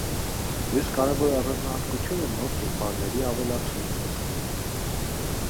Մյուս կարևոր առանձնահատկությունը նոր կերպարների ավելացումն է։